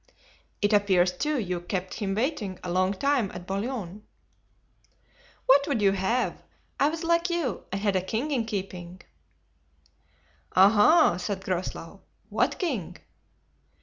"It appears, too, you kept him waiting a long time at Boulogne." "What would you have? I was like you, and had a king in keeping." "Aha!" said Groslow; "what king?"